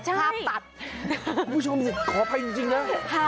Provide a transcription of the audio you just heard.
ใช่ภาพตัดคุณผู้ชมขออภัยจริงจริงนะ